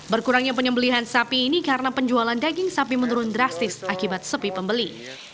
berkurangnya penyembelihan sapi ini karena penjualan daging sapi menurun drastis akibat sepi pembeli